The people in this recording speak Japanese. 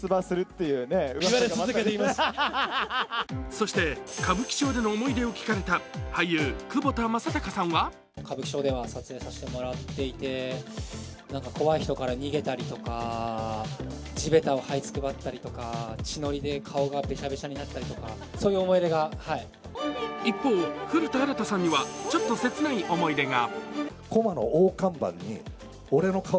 そして歌舞伎町での思い出を聞かれた、俳優・窪田正孝さんは一方、古田新太さんにはちょっと切ない思い出が。